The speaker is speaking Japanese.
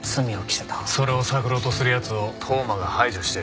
それを探ろうとする奴を当麻が排除してる。